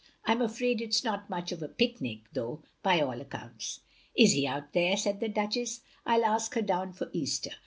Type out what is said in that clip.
" I 'm afraid it 's not much of a picnic, though, by all accounts. "" Is he out there?" said the Duchess. " I '11 ask her down for Easter.